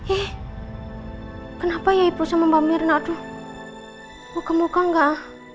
ih kenapa ya ibu sama mbak mirna tuh muka muka nggak